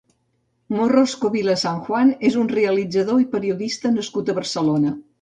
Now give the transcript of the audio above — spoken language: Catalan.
Morrosko Vila-San-Juan és un realitzador i periodista nascut a Barcelona.